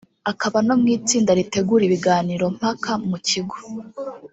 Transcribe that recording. akaba no mu itsinda ritegura ibiganiro mpaka mu kigo